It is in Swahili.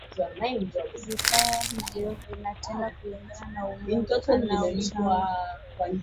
vipawa hivyo vinatenda kulingana na Umungu anaouchanga